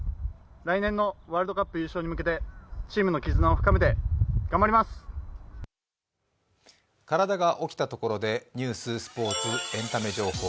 来年のワールドカップ優勝に向けてチームの絆を深めて頑張ります体が起きたところで、ニュース、スポーツ、エンタメ情報。